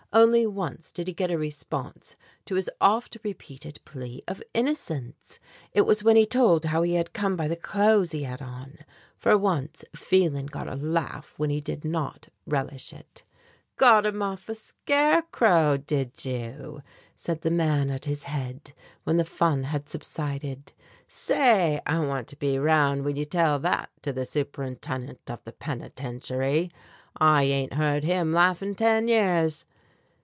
Only once did he get a response to his oft repeated plea of innocence. It was when he told how he had come by the clothes he had on. For once Phelan got a laugh when he did not relish it. "Got 'em off a scarecrow, did you?" said the man at his head, when the fun had subsided; "say, I want to be 'round when you tell that to the Superintendent of the Penitentiary I ain't heard him laugh in ten years!"